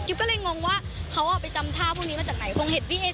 กิ๊บก็เลยงงว่าเขาเอาไปจำท่าพวกนี้มาจากไหน